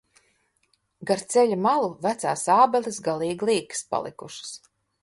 Gar ceļa malu vecās ābeles galīgi līkas palikušas.